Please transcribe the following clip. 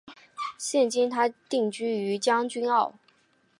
现今她定居于将军澳。